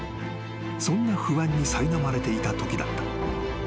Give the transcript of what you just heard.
［そんな不安にさいなまれていたときだった］